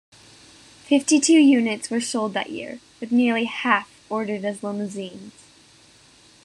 Fifty-two units were sold that year, with nearly half ordered as limousines.